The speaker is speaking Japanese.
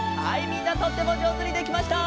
みんなとってもじょうずにできました！